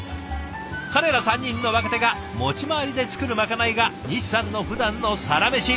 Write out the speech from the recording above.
彼ら３人の若手が持ち回りで作るまかないが西さんのふだんのサラメシ。